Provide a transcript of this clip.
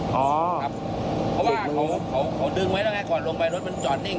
เพราะว่าเขาดึงไว้แล้วไงก่อนลงไปรถมันจอดนิ่ง